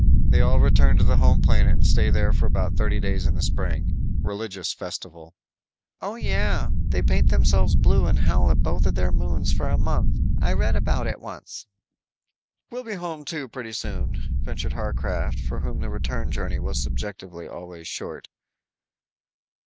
They all return to the home planet and stay there for about thirty days in the spring. Religious festival." "Oh, yeah. They paint themselves blue and howl at both of their moons for a month. I read about it once." "We'll be home, too, pretty soon," ventured Harcraft, for whom the return journey was subjectively always short.